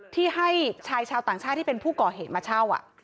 ที่ให้ชายชาวต่างชาติที่เป็นผู้ก่อเหตุมาเช่า